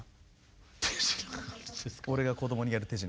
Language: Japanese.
俺がこどもにやる手品。